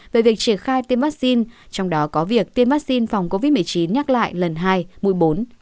về việc triển khai tiêm vaccine trong đó có việc tiêm vaccine phòng covid một mươi chín nhắc lại lần hai mũi bốn